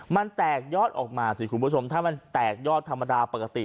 มันแตกยอดออกมาสิคุณผู้ชมถ้ามันแตกยอดธรรมดาปกติ